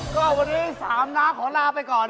ก็วันนี้๓น้าขอลาไปก่อน